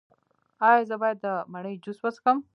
ایا زه باید د مڼې جوس وڅښم؟